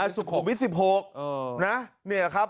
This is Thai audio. อ๋อสุขวิทย์สิบหกนี่แหละครับ